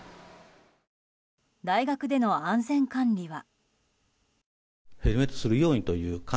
大学での安全管理は。